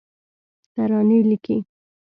ترانې لیکې